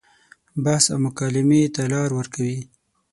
بحث او مکالمې ته لار ورکوي.